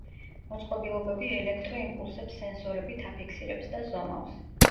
მოწყობილობები ელექტრო იმპულსებს სენსორებით აფიქსირებს და ზომავს.